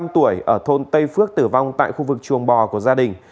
năm mươi năm tuổi ở thôn tây phước tử vong tại khu vực chuồng bò của gia đình